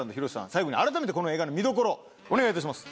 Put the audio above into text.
最後に改めてこの映画の見どころお願いいたします。